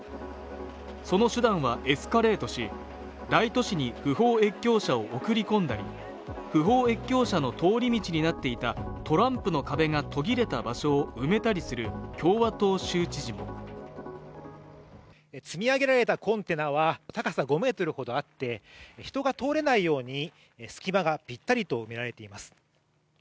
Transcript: その手段はエスカレートし大都市に不法越境者を送り込んだり不法越境者の通り道になっていたトランプの壁が途切れた場所を埋めたりする共和党州知事も積み上げられたコンテナは高さ５メートルほどあって人が通れないように隙間がピッタリと埋められています